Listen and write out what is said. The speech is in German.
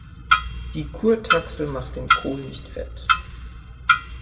Die Kurtaxe macht den Kohl nicht fett.